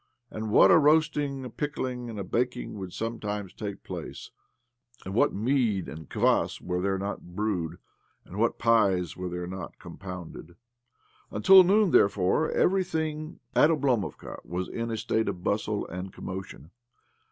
And what a roasting and a pickling and a baking would some times take place, and what mead and kvass ' were there not brewed, and what pies were there not compounded 1 Until noon, therefore, everything at Oblo movka was in a state of bustle and com motion.